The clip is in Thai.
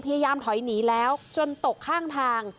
พยายามถอยหนีแล้วจนตกข้างทาง